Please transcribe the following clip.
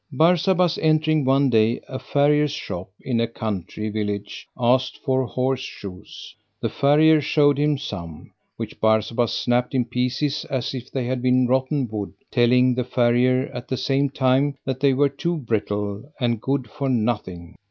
Barsabas entering one day a farrier's shop in a country village, asked for horse shoes, the farrier showed him some, which Barsabas snapped in pieces as if they had been rotten wood, telling the farrier at the same time that they were too brittle, and good for nothing.